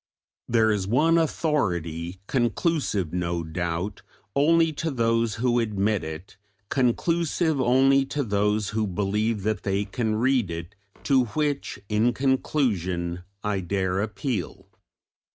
There is one authority, conclusive, no doubt, only to those who admit it, conclusive only to those who believe that they can read it, to which in conclusion I dare appeal.